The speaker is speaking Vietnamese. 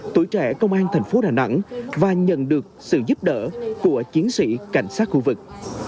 tuổi trẻ công an thành phố đà nẵng và nhận được sự giúp đỡ của chiến sĩ cảnh sát khu vực